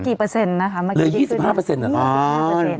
กี่เปอร์เซ็นต์นะคะเมื่อกี้หลายยี่สิบห้าเปอร์เซ็นต์เหรอครับอ๋อ